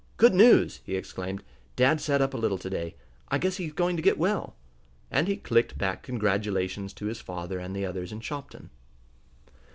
"Good news!" he exclaimed. "Dad sat up a little to day! I guess he's going to get well!" and he clicked back congratulations to his father and the others in Shopton.